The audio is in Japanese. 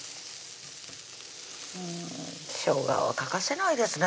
しょうがは欠かせないですね